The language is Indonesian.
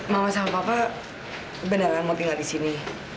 mama sama papa kebenaran mau tinggal di sini